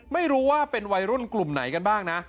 ไม่รู้ว่าเป็นวัยรุ่นกลุ่มไหนกันบ้างนะ